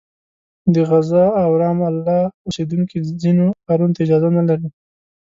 د غزه او رام الله اوسېدونکي ځینو ښارونو ته اجازه نه لري.